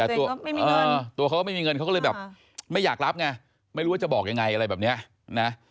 แต่ตัวเขาก็ไม่มีเงินเขาก็เลยแบบไม่อยากรับไงไม่รู้ว่าจะบอกยังไงอะไรแบบนี้นะ